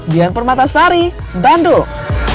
bian permatasari bandung